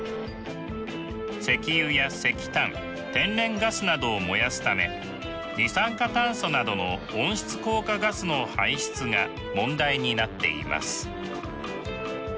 石油や石炭天然ガスなどを燃やすため二酸化炭素などの温室効果ガスの排出が問題になっています。